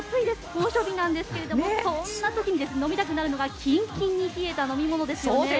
猛暑日なんですけどそんな時に飲みたくなるのがキンキンに冷えた飲み物ですよね。